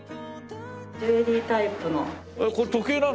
ジュエリータイプの。